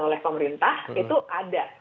oleh pemerintah itu ada